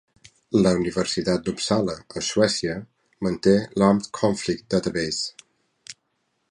La universitat d'Uppsala, a Suècia, manté l'Armed Conflict Database.